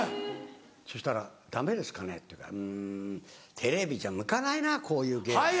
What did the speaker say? そしたら「ダメですかね」って言うから「うんテレビじゃ向かないなこういう芸」。